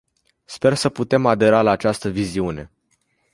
Sper să putem adera la această viziune.